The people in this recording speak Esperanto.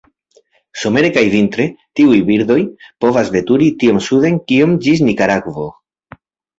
Somere kaj vintre, tiuj birdoj povas veturi tiom suden kiom ĝis Nikaragvo.